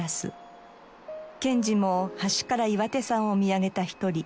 賢治も橋から岩手山を見上げた一人。